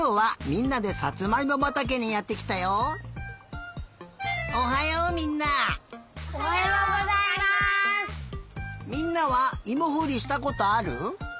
みんなはいもほりしたことある？